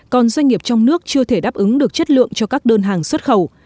còn doanh nghiệp trong nước chưa thể đáp ứng được chất lượng cho các đơn hàng xuất khẩu